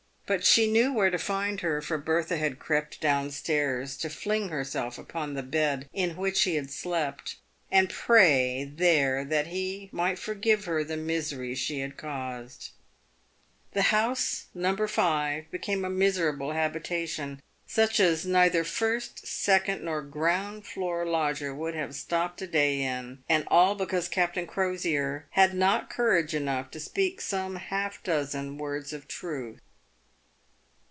But she knew where to find her, for Bertha had crept down stairs to fling herself upon the bed in which he had slept, and pray there that he might forgive her the misery she had caused. The house No. 5 became a miserable habitation, such as neither first, second, nor ground floor lodger would have stopt a day in, and all because Captain Crosier had not courage enough to speak some half dozen words of truth.